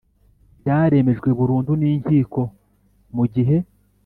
byaremejwe burundu n inkiko mu gihe